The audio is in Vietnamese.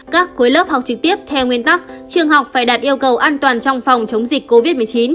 các khối lớp học trực tiếp theo nguyên tắc trường học phải đạt yêu cầu an toàn trong phòng chống dịch covid một mươi chín